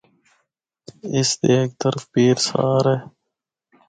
اس دے ہک طرف ’پیر سہار‘ ہے۔